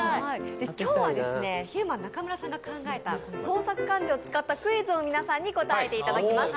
今日はヒューマン中村さんが考えた創作漢字を使ったクイズを皆さんに答えていただきます。